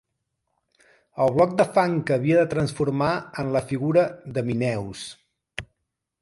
El bloc de fang que havia de transformar en la figura d'Himeneus